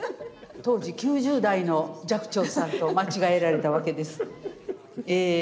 当時９０代の寂聴さんと間違えられたわけです。